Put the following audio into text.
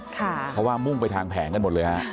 เพราะว่ามุ่งไปทางแผงกันหมดเลยฮะ